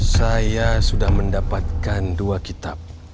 saya sudah mendapatkan dua kitab